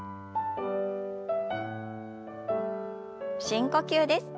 深呼吸です。